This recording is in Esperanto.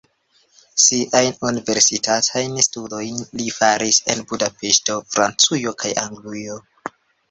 Siajn universitatajn studojn li faris en Budapeŝto, Francujo kaj Anglujo.